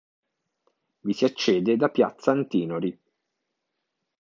Vi si accede da piazza Antinori.